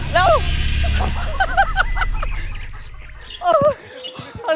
แล้วไหม